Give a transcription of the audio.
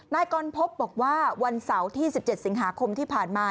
นายกรพบบอกว่าวันเสาร์ที่๑๗สิงหาคมที่ผ่านมา